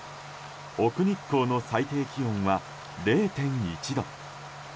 奥日光の最低気温は０．１度。